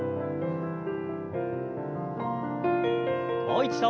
もう一度。